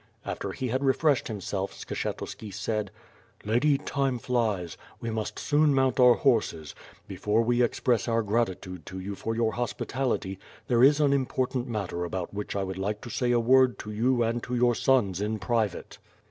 After he had refreshed himself, Skshetuski said, "Lady, time flies; we must soon mount our horses; before we express our gratitude to you for your hospitality, there is an important matter about which I would like to say a word to you and to your sons in private.